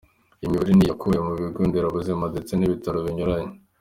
Iyi mibare ni iyakuwe mu bigo nderabuzima ndetse n’ibitaro binyuranye.